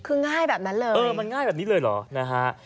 คือง่ายแบบนั้นเลยนะฮะมันง่ายแบบนี้เลยหรอ